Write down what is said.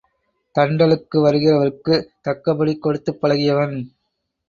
தண்ட லுக்கு வருகிறவர்க்குத் தக்கபடி கொடுத்துப் பழகியவன்.